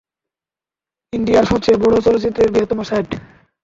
ইন্ডিয়ার সবচেয়ে বড় চলচ্চিত্রের বৃহত্তম সেট।